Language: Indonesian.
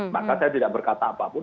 maka saya tidak berkata apapun